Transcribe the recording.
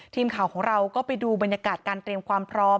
ทีมข่าวของเราก็ไปดูบรรยากาศการเตรียมความพร้อม